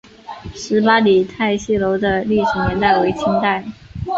十八里汰戏楼的历史年代为清代。